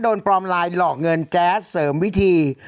โดนปลอมไลน์หลอกเงินแก๊สเสริมวิธี